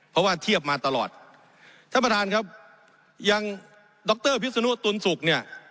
เพราะว่าเทียบมาตลอดท่านประธานครับอย่างดรพิศนุตุลศุกร์เนี่ย